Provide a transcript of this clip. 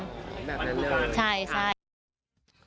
แบบนั้นเลยค่ะใช่ค่ะจะมันน่ารัก